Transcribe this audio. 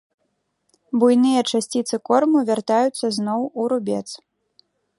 Буйныя часціцы корму вяртаюцца зноў у рубец.